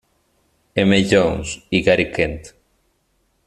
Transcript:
M. Jones y Gary Kent.